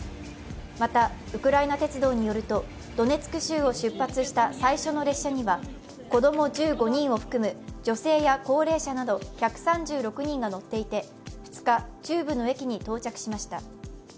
また、ウクライナ鉄道によるとドネツク州を出発した最初の列車には子供１５人を含む女性や高齢者など１３６人が乗っていて２日、中部の駅に到着しました。